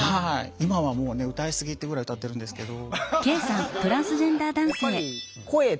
今はもう歌い過ぎっていうぐらい歌ってるんですけど。